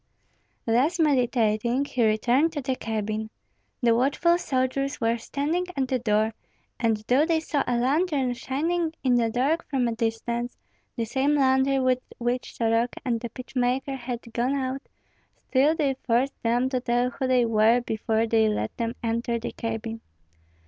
Thus meditating, he returned to the cabin. The watchful soldiers were standing at the door, and though they saw a lantern shining in the dark from a distance, the same lantern with which Soroka and the pitch maker had gone out, still they forced them to tell who they were before they let them enter the cabin.